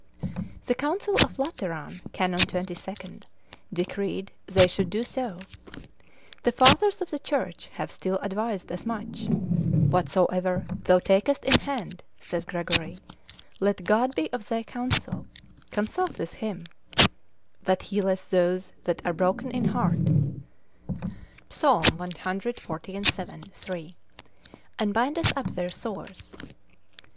The council of Lateran, Canon 22. decreed they should do so: the fathers of the church have still advised as much: whatsoever thou takest in hand (saith Gregory) let God be of thy counsel, consult with him; that healeth those that are broken in heart, (Psal. cxlvii. 3.) and bindeth up their sores.